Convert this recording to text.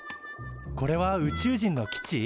これは宇宙人の基地？